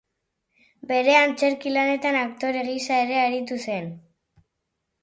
Bere antzerki lanetan aktore gisa ere aritu zen.